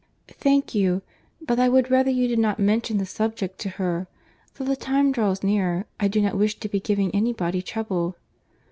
"Thank you, but I would rather you did not mention the subject to her; till the time draws nearer, I do not wish to be giving any body trouble."